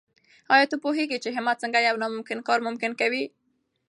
آیا ته پوهېږې چې همت څنګه یو ناممکن کار ممکن کوي؟